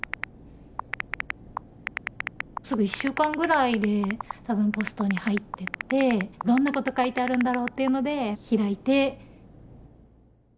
すぐ１週間ぐらいで多分ポストに入っててどんなこと書いてあるんだろうっていうので開いて。